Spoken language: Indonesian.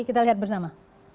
kita lihat bersama